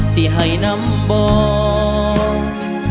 สิให้นำบอง